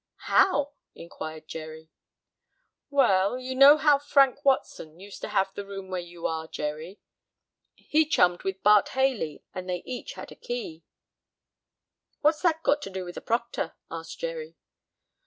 "How?" inquired Jerry. "Well, you know Frank Watson used to have the room where you are, Jerry. He chummed with Bart Haley and they each had a key." "What's that got to do with the proctor?" asked Jerry.